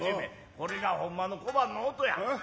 これがほんまの小判の音や。